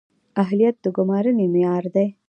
اهلیت د ګمارنې معیار دی